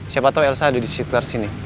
siapa tau elsa ada disitu